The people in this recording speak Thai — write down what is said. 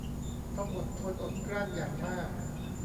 ต้องอดทนอดกลั้นอย่างมาก